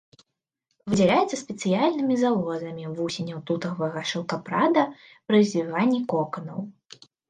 Выдзяляецца спецыяльнымі залозамі вусеняў тутавага шаўкапрада пры звіванні коканаў.